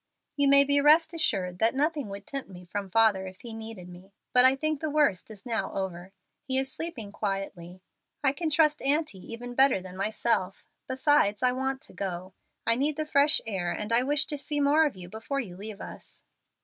"You may rest assured that nothing would tempt me from father if he needed me. But I think the worst is now over. He is sleeping quietly. I can trust aunty even better than myself. Besides, I want to go. I need the fresh air, and I wish to see more of you before you leave us."